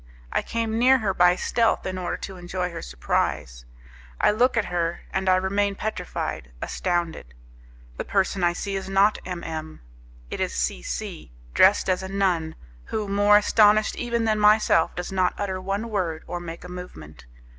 I come near her by stealth, in order to enjoy her surprise. I look at her, and I remain petrified, astounded. The person I see is not M M It is C C , dressed as a nun, who, more astonished even than myself, does not utter one word or make a movement.